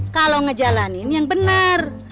kalo ngejalanin yang bener